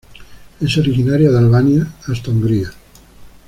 Es originaria de Albania hasta Hungría.